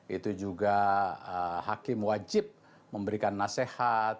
itu juga hakim wajib memberikan nasihat